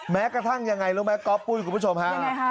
แม้กระทั่งยังไงโลห์แม้ก๊อฟปุ้ยคุณผู้ชมค่ะ